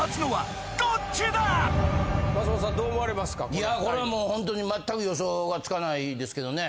いやこれもうホントに全く予想がつかないですけどね。